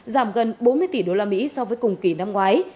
giảm gần bốn mươi tỷ đô la mỹ so với cùng kỳ năm ngoái